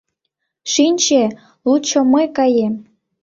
Шинче, лучо мый каем.